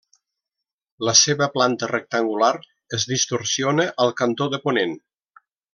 La seva planta rectangular es distorsiona al cantó de ponent.